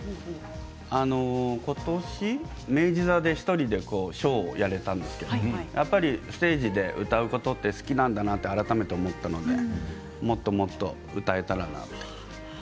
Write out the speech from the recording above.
ことし明治座で１人でショーをやれたんですけどもステージで歌うことって好きなんだなと改めて思ったのでもっともっと歌えたらなって。